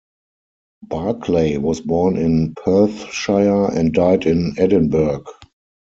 Barclay was born in Perthshire and died in Edinburgh.